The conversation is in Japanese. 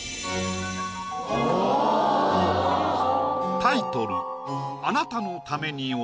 タイトル